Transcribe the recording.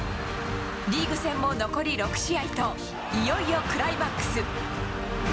リーグ戦も残り６試合と、いよいよクライマックス。